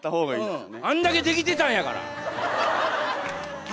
あんだけできてたんやから。